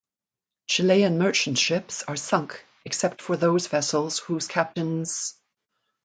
Chilean merchant ships are sunk, except for those vessels whose captains hoisted foreign flags.